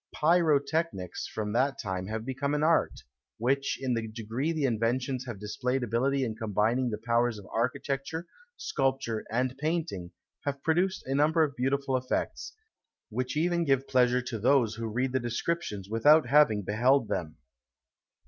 Pyrotechnics from that time have become an art, which, in the degree the inventors have displayed ability in combining the powers of architecture, sculpture, and painting, have produced a number of beautiful effects, which even give pleasure to those who read the descriptions without having beheld them.